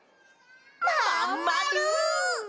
まんまる！